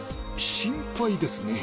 心配ですね。